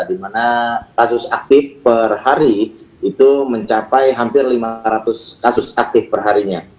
di mana kasus aktif per hari itu mencapai hampir lima ratus kasus aktif perharinya